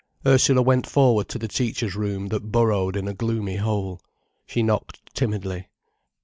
Ursula went forward to the teachers' room that burrowed in a gloomy hole. She knocked timidly.